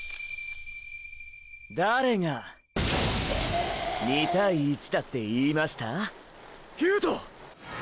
誰が２対“１”だって言いましたァ？